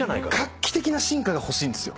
画期的な進化がほしいんですよ。